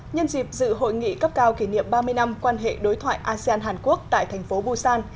nhân dịp dự hội nghị cấp cao kỷ niệm ba mươi năm quan hệ đối thoại asean hàn quốc tại thành phố busan